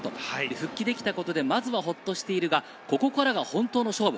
復帰できたことで、まずはホッとしているが、ここからは本当の勝負。